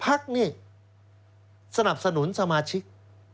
ภักดิ์เนี่ยสนับสนุนสมาชิก